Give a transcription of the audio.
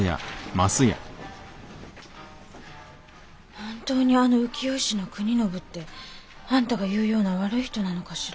本当にあの浮世絵師の国宣ってあんたが言うような悪い人なのかしら？